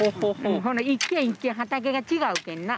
ほな一軒一軒畑が違うけんな。